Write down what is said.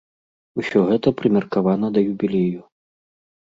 Усё гэта прымеркавана да юбілею.